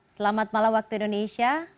selamat malam waktu indonesia